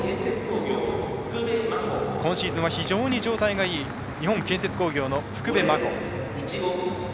今シーズンは非常に状態がいい日本建設工業の福部真子。